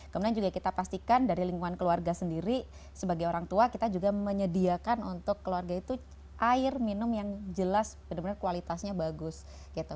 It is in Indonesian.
kemudian juga kita pastikan dari lingkungan keluarga sendiri sebagai orang tua kita juga menyediakan untuk keluarga itu air minum yang jelas benar benar kualitasnya bagus gitu